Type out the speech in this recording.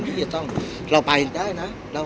พี่อัดมาสองวันไม่มีใครรู้หรอก